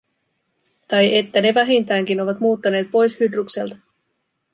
Tai että ne vähintäänkin ovat muuttaneet pois Hydrukselta.